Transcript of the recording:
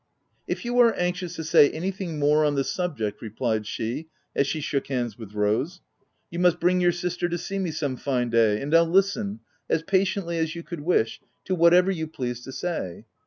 "If you are anxious to say anything more on the subject/' replied she, as she shook hands with Rose, " you must bring your sister to see me some fine day, and I'll listen, as patiently as you could wish, to whatever you please to say.